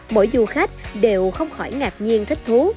mỗi du khách đều không khỏi ngạc nhiên thích thú